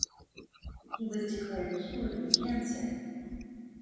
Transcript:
He was declared cured of the cancer.